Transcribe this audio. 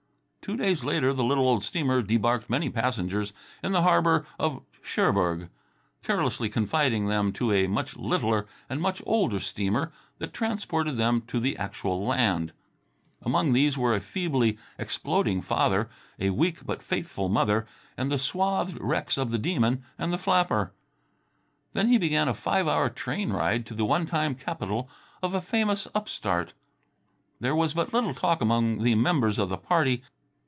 Two days later the little old steamer debarked many passengers in the harbour of Cherbourg, carelessly confiding them to a much littler and much older steamer that transported them to the actual land. Among these were a feebly exploding father, a weak but faithful mother, and the swathed wrecks of the Demon and the flapper. Then began a five hour train ride to the one time capital of a famous upstart. There was but little talk among the members of the party.